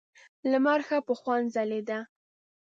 لمر ښه په خوند ځلېده.